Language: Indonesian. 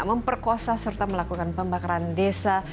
memperkuasa serta melakukan pembakaran desa